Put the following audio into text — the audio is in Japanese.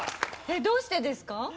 どうしてですか？